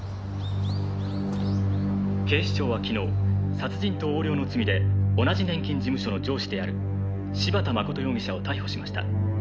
「警視庁は昨日殺人と横領の罪で同じ年金事務所の上司である柴田真容疑者を逮捕しました」